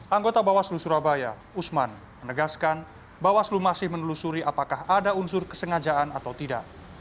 anggota bawah seluruh surabaya usman menegaskan bawah seluruh masih menelusuri apakah ada unsur kesengajaan atau tidak